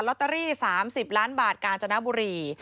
ลอตเตอรี่๓๐ล้านบาทกาญจนบุรี